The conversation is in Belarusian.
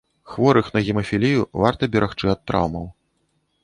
Хворых на гемафілію варта берагчы ад траўмаў.